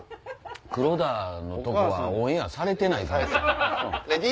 黒田のとこはオンエアされてないかもしれん。